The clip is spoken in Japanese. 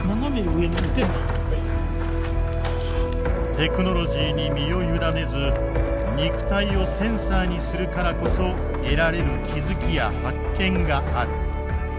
テクノロジーに身を委ねず肉体をセンサーにするからこそ得られる気付きや発見がある。